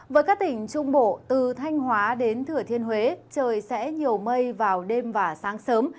với các tỉnh trung bộ từ thanh hóa đến thừa thiên huế trời sẽ nhiều mây vào đêm và sáng sớm